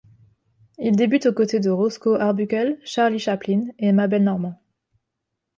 Il débute aux côtés de Roscoe Arbuckle, Charlie Chaplin et Mabel Normand.